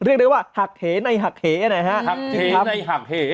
เรียกได้ว่าหักเหในหักเหอะไรฮะหักเหในหักเห